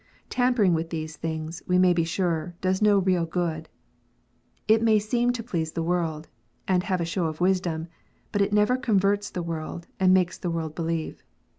Tampering with these things, we may be sure, does no real good. It may seem to please the world, and have a " show of wisdom," but it never converts the world, and makes the world believe.